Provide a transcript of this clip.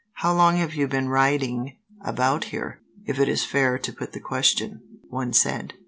"How long have you been riding about here, if it is fair to put the question?" one said.